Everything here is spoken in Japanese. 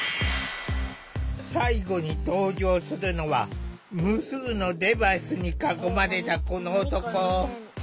最後に登場するのは無数のデバイスに囲まれたこの男。